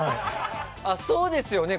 そうですよね。